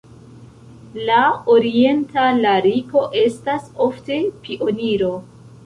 La orienta lariko estas ofte pioniro.